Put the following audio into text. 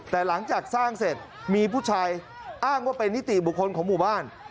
แต่หลังจากสร้างเสร็จมีผู้ชายอ้างว่าเป็นนิติบุคคลของหมู่บ้าน